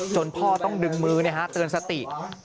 พ่อต้องดึงมือเตือนสติ